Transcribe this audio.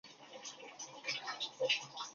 至和二年充镇海军节度使判亳州。